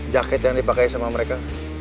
jaket yang dipakai sama mereka